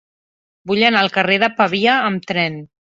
Vull anar al carrer de Pavia amb tren.